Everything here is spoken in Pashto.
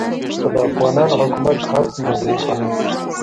خو د افغانانو حکومت که هر څومره ضعیفه هم شي